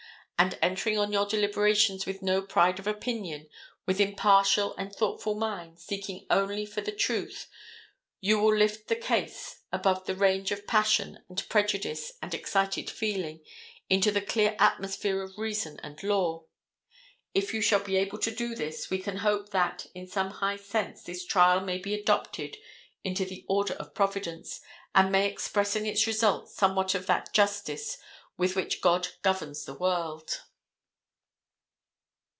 And, entering on your deliberations with no pride of opinion, with impartial and thoughtful minds, seeking only for the truth, you will lift the case above the range of passion and prejudice and excited feeling, into the clear atmosphere of reason and law. If you shall be able to do this, we can hope that, in some high sense, this trial may be adopted into the order of providence, and may express in its results somewhat of that justice with which God governs the world."